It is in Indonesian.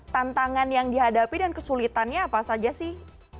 tantangan yang dihadapi dan kesulitannya apa saja sih